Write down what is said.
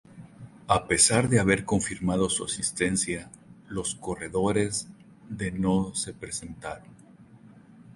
A pesar de haber confirmado su asistencia, los corredores de no se presentaron.